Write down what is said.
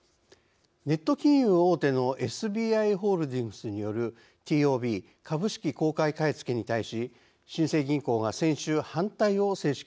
ネット金融大手のＳＢＩホールディングスによるＴＯＢ＝株式公開買い付けに対し新生銀行が先週反対を正式に表明しました。